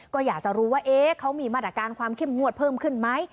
ก็อยากจะรู้ว่าเขามีมาตรการความเข้มงวดเพิ่มขึ้นไหม